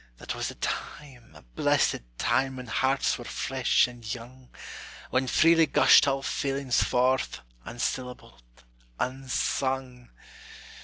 That was a time, a blessed time, When hearts were fresh and young, When freely gushed all feelings forth, Unsyllabled unsung!